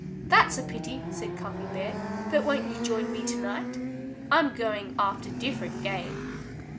"That's a pity," said Cuffy Bear. "But won't you join me to night? I'm going after different game."